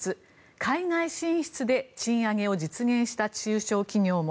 海外進出で賃上げを実現した中小企業も。